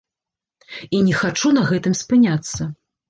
І не хачу на гэтым спыняцца.